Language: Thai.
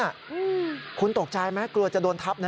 อืมคุณตกใจไหมกลัวจะโดนทับนะ